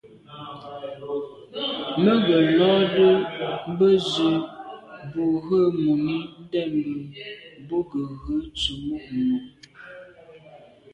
Mə́ ngə́ lódə́ bə̄ zə̄ bū rə̂ mùní ndɛ̂mbə́ bú gə̀ rə̌ tsə̀mô' nù.